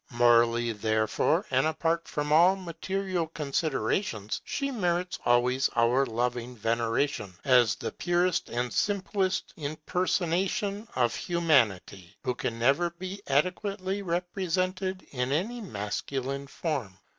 Morally, therefore, and apart from all material considerations, she merits always our loving veneration, as the purest and simplest impersonation of Humanity, who can never be adequately represented in any masculine form.